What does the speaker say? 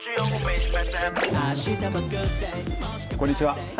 こんにちは。